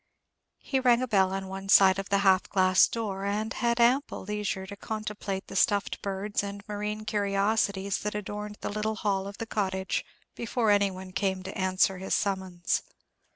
He rang a bell on one side of the half glass door, and had ample leisure to contemplate the stuffed birds and marine curiosities that adorned the little hall of the cottage before any one came to answer his summons.